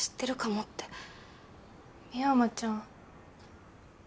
深山ちゃん。